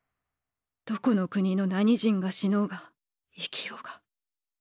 どこの国の何人が死のうが生きようが。